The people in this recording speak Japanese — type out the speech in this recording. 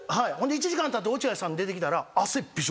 １時間たって落合さん出てきたら。